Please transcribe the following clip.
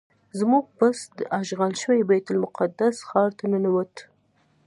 زموږ بس د اشغال شوي بیت المقدس ښار ته ننوت.